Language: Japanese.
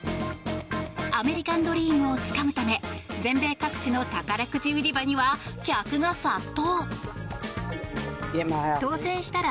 アメリカンドリームをつかむため全米各地の宝くじ売り場には客が殺到。